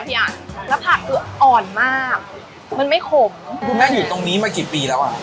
เนี้ยแล้วผักคืออ่อนมากมันไม่ขมคุณแม่อยู่ตรงนี้มากี่ปีแล้วอ่ะ